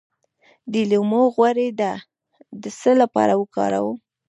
د لیمو غوړي د څه لپاره وکاروم؟